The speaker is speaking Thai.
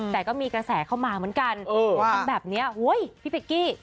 แต่ก็มีกระแสเข้ามาเหมือนกันว่าทำแบบนี้พี่เป๊กกี้